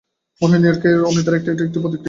মনে হয়, নিউ ইয়র্কের অনিদ্রার এটি একটি প্রতিক্রিয়া।